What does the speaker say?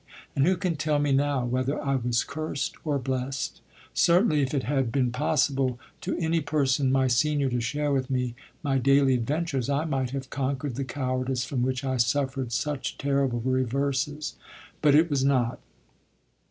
And who can tell me now whether I was cursed or blessed? Certainly, if it had been possible to any person my senior to share with me my daily adventures, I might have conquered the cowardice from which I suffered such terrible reverses. But it was not.